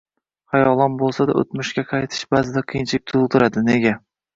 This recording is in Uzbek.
Xayolan bo‘lsa-da o‘tmishga qaytish ba’zida qiyinchilik tug‘diradi. Nega?